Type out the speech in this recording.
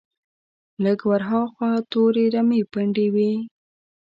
لږ ور هاخوا تورې رمې پنډې وې.